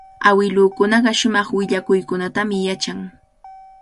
Awilukunaqa shumaq willakuykunatami yachan.